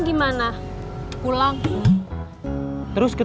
ya beresin ikan